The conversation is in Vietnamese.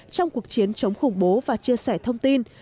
trong cuộc chiến chống khủng bố và chia sẻ thông tin